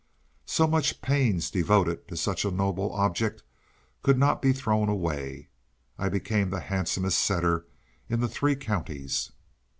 So much pains devoted to such a noble object could not be thrown away. I became the handsomest setter in the three counties.